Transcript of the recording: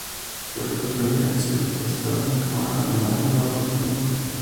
Los ricos preferían ser depositados en cámaras de madera, bajo túmulo.